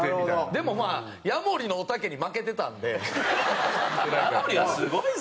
でもまあヤモリのおたけに負けてたんで。